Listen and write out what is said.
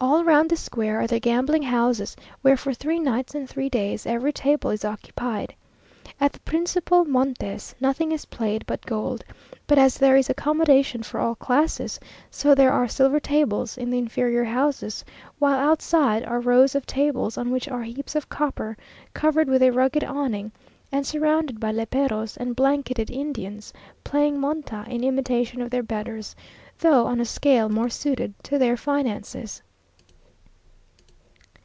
All round the square are the gambling houses, where for three nights and three days every table is occupied. At the principal montes nothing is played but gold, but as there is accommodation for all classes, so there are silver tables in the inferior houses, while outside are rows of tables on which are heaps of copper, covered with a rugged awning, and surrounded by léperos and blanketed Indians, playing monta in imitation of their betters, though on a scale more suited to their finances.